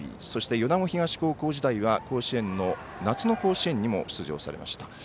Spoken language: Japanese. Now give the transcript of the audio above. そして米子東高校時代は夏の甲子園にも出場されました。